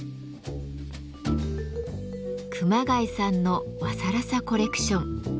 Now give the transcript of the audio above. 熊谷さんの和更紗コレクション。